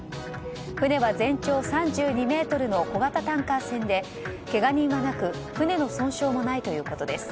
船は全長３２ｍの小型タンカー船でけが人はなく船の損傷もないということです。